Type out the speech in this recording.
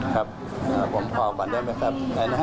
ครับผมขอก่อนได้ไหมครับ